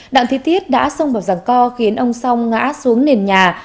đặng thị thiết đã xông vào ràng co khiến ông song ngã xuống nền nhà